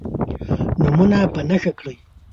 نومونه په نښه کړئ.